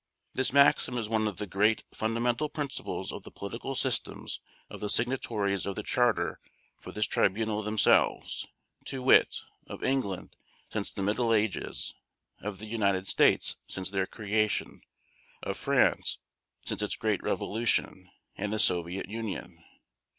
This maxim is one of the great fundamental principles of the political systems of the Signatories of the Charter for this Tribunal themselves, to wit, of England since the Middle Ages, of the United States since their creation, of France since its great revolution, and the Soviet Union.